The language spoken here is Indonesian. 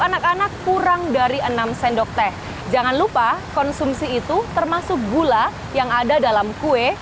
anak anak kurang dari enam sendok teh jangan lupa konsumsi itu termasuk gula yang ada dalam kue